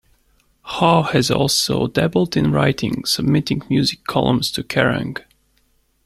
Haug has also dabbled in writing, submitting music columns to Kerrang!